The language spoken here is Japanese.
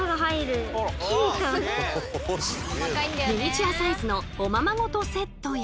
ミニチュアサイズのおままごとセットや。